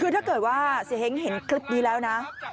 คือถ้าเกิดว่าเสียเฮ้งเห็นคลิปนี้แล้วนะ